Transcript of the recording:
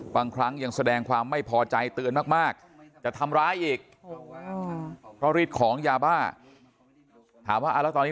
จะทำร้ายอีกเพราะรีดของยาบ้าถามว่าเอาละตอนนี้